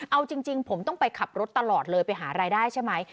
เอาจริงผมต้องไปขับรถตลอดเลยไปหารายได้ใช่ไหม